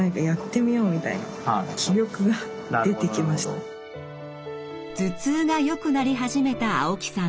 更に自宅では頭痛がよくなり始めた青木さん。